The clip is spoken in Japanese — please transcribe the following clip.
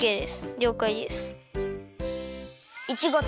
りょうかいです。